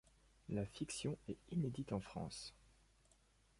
La fiction est inédite en France.